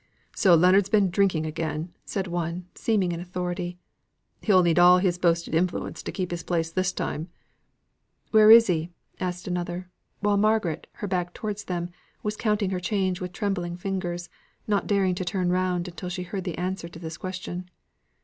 "So Leonards has been drinking again!" said one, seemingly in authority. "He'll need all his boasted influence to keep his place this time." "Where is he?" asked another, while Margaret, her back towards them, was counting her change with trembling fingers, not daring to turn round until she heard the answer to this question.